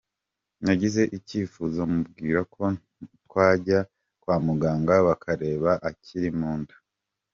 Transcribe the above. Nagize icyifuzo mubwira ko twajya kwa muganga bakareba akiri mu nda.